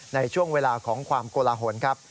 ในช่วงเวลาของความโกลหนครับ